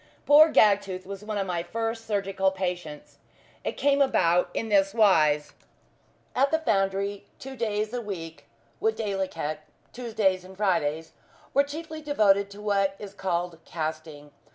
Poor Gagtooth was one of my first surgical patients. It came about in this wise. At the foundry, two days in the week, viz., Tuesdays and Fridays, were chiefly devoted to what is called "casting."